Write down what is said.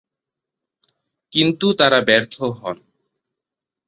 কিন্তু তারা ব্যার্থ হন।